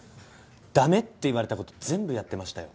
だめって言われたこと全部やってましたよ。